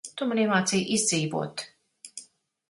Tu man iemācīji izdzīvot.